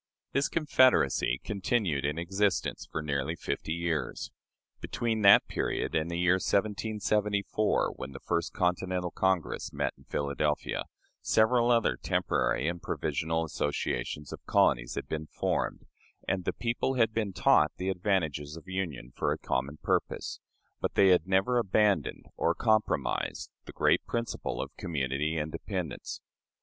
" This confederacy continued in existence for nearly fifty years. Between that period and the year 1774, when the first Continental Congress met in Philadelphia, several other temporary and provisional associations of colonies had been formed, and the people had been taught the advantages of union for a common purpose; but they had never abandoned or compromised the great principle of community independence.